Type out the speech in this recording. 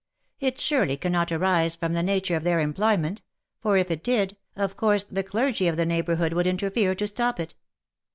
It surely cannot arise from the nature of their employment ; for if it did, of course the clergy of the neighbourhood would interfere to stop it.